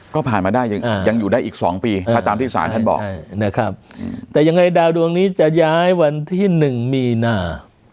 ก็ผ่านมาได้ยังอยู่ได้อีก๒ปีถ้าตามที่ศาลท่านบอกนะครับแต่ยังไงดาวดวงนี้จะย้ายวันที่๑มีนา